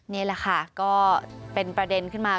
นี่แหละค่ะก็เป็นประเด็นขึ้นมา